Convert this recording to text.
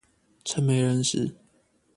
趁沒人時